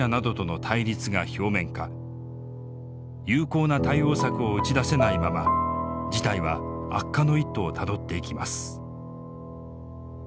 有効な対応策を打ち出せないまま事態は悪化の一途をたどっていきます。